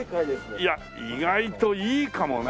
いや意外といいかもな。